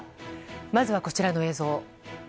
まずは、こちらの映像。